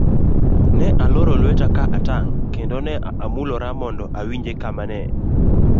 Ne aloro lweta ka atang' kendo ne amulora mondo awinje kama ne